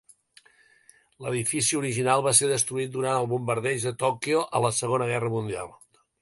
L'edifici original va ser destruït durant el bombardeig de Tòquio en la Segona Guerra Mundial.